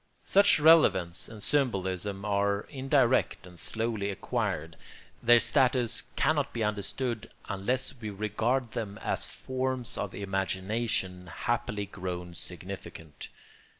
Such relevance and symbolism are indirect and slowly acquired; their status cannot be understood unless we regard them as forms of imagination happily grown significant.